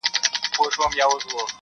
انصاف څه سو آسمانه زلزلې دي چي راځي-